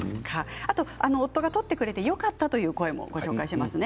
夫が取ってくれてよかったという声もご紹介します。